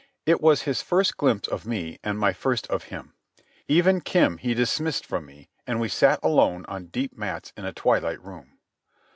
It was his first glimpse of me and my first of him. Even Kim he dismissed from me, and we sat alone on deep mats in a twilight room.